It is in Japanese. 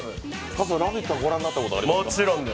「ラヴィット！」はご覧になったことありますか？